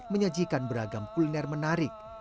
menyajikan beragam kuliner menarik